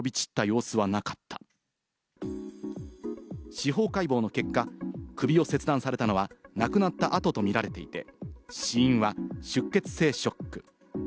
司法解剖の結果、首を切断されたのは亡くなった後とみられていて、死因は出血性ショック。